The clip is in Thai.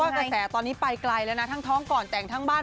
กระแสตอนนี้ไปไกลแล้วนะทั้งท้องก่อนแต่งทั้งบ้าน